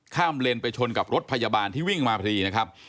เลนไปชนกับรถพยาบาลที่วิ่งมาพอดีนะครับ